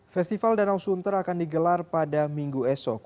festival danau sunter akan digelar pada minggu esok